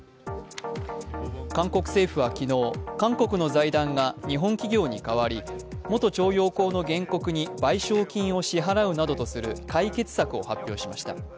韓国政府は昨日、韓国の財団が日本企業に代わり元徴用工の原告に賠償金を支払うなどとする解決策を発表しました。